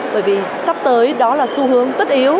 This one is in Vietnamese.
bởi vì sắp tới đó là xu hướng tất yếu